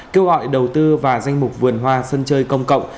kêu gọi đầu tư vào danh mục vườn hoa sân chơi công cộng